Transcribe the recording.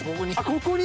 ここに？